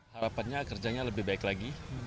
harapannya kerjanya lebih baik lagi